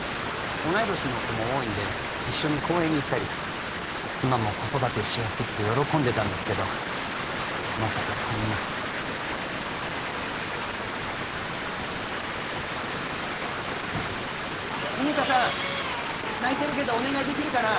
同い年の子も多いんで一緒に公園に行ったり妻も子育てしやすいって喜んでたんですけどまさかこんな文香さん泣いてるけどお願いできるかな？